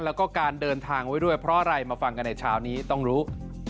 แล้วก็การเดินทางไว้ด้วยเพราะอะไรมาฟังกันในเช้านี้ต้องรู้